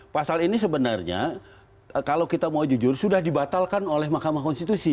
pasal ini sebenarnya kalau kita mau jujur sudah dibatalkan oleh mahkamah konstitusi